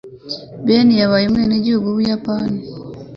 Beni yabaye umwenegihugu w'Ubuyapani.